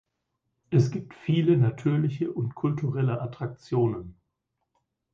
Es gibt viele natürliche und kulturelle Attraktionen.